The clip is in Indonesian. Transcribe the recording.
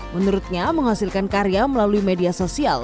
menurutnya menghasilkan karya melalui media sosial